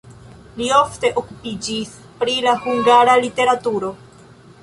Li ofte okupiĝis pri la hungara literaturo.